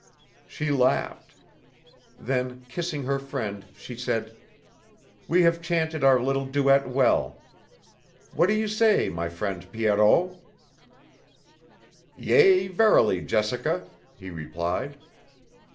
She laughed. Then, kissing her friend, she said: "We have chanted our little duet well. What do you say, my friend Pierrot?" "Yea, verily, Jessica," he replied.